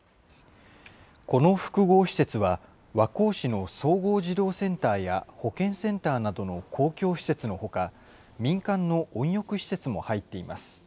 この複合施設は、和光市の総合児童センターや保健センターなどの公共施設のほか、民間の温浴施設も入っています。